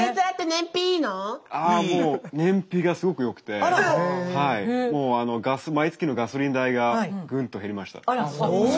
ああもう燃費がすごくよくて毎月のガソリン代がグンと減りました。